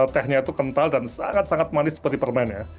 tehnya itu kental dan sangat sangat manis seperti permen ya